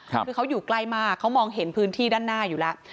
คือเขาอยู่ใกล้มากเขามองเห็นพื้นที่ด้านหน้าอยู่แล้ว